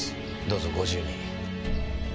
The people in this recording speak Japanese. どうぞご自由に。